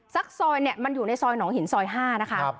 ซอยเนี่ยมันอยู่ในซอยหนองหินซอย๕นะคะ